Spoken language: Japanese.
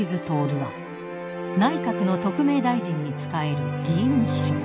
亨は内閣の特命大臣に仕える議員秘書。］